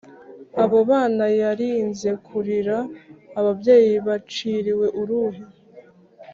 Abo bana yarinze Kuririra ababyeyi Baciriwe uruhe?